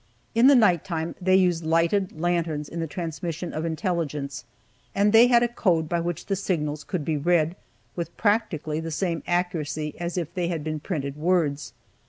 In the night time they used lighted lanterns in the transmission of intelligence, and they had a code by which the signals could be read with practically the same accuracy as if they had been printed words.